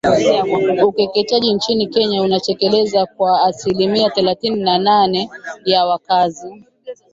Ukeketaji nchini Kenya unatekelezwa kwa asilimia thelathini na nane ya wakazi